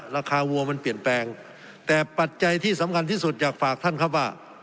วัวมันเปลี่ยนแปลงแต่ปัจจัยที่สำคัญที่สุดอยากฝากท่านครับว่า